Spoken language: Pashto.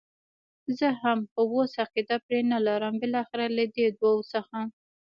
زه هم، خو اوس عقیده پرې نه لرم، بالاخره له دې دوو څخه.